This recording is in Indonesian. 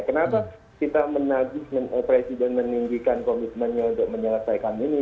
kenapa kita menagih presiden meninggikan komitmennya untuk menyelesaikan ini